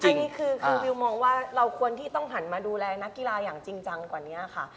อันนี้คือวิวมองว่าเราควรที่ต้องหันมาดูแลนักกีฬาอย่างจริงจังกว่านี้ค่ะ